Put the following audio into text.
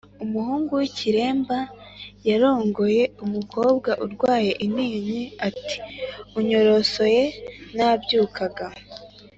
Umuhungu w’icyiremba yarongoye umukobwa urwaye intinyi ati unyorosoye nabyukaga.